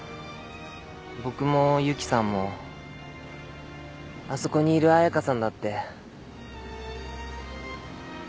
僕もゆきさんもあそこにいる彩佳さんだって。